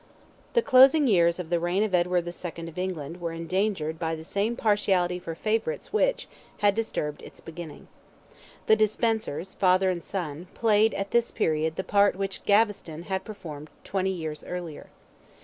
The closing years of the reign of Edward II. of England were endangered by the same partiality for favourites which, had disturbed its beginning. The de Spensers, father and son, played at this period the part which Gaveston had performed twenty years earlier.